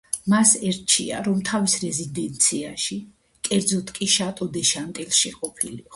მას ერჩია, რომ თავის რეზიდენციაში, კერძოდ კი შატო დე შანტილში ყოფილიყო.